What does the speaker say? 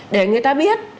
để người ta biết